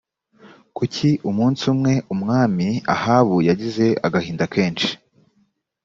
kuki umunsi umwe umwami ahabu yagize agahinda kenshi